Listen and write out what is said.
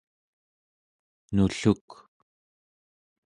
nulluk